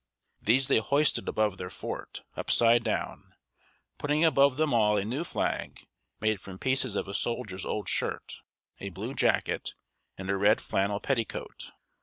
These they hoisted above their fort, upside down, putting above them all a new flag made from pieces of a soldier's old shirt, a blue jacket, and a red flannel petticoat.